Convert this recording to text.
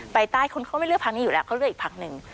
ไปใต้คุณเขาไม่เลือกพักนี้อยู่แล้วเขาเลือกอีกพักหนึ่ง